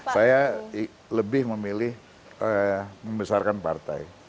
saya lebih memilih membesarkan partai